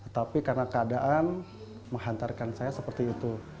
tapi karena keadaan menghantarkan saya seperti itu